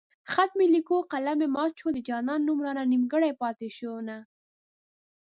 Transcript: خط مې ليکو قلم مې مات شو د جانان نوم رانه نيمګړی پاتې شونه